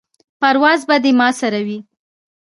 پرواز به دې ما سره وي.